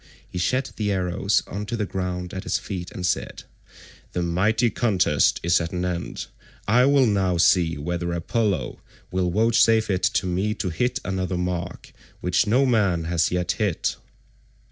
He shed the arrows on to the ground at his feet and said, "The mighty contest is at an end. I will now see whether Apollo will vouchsafe it to me to hit another mark which no man has yet hit."